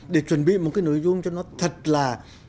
để chuẩn bị một cái nội dung cho nó thật là